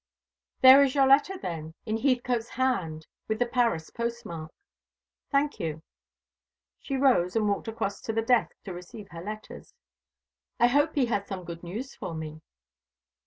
"There is your letter, then, in Heathcote's hand, with the Paris post mark." "Thank you." She rose, and walked across to the desk to receive her letters. "I hope he has some good news for me."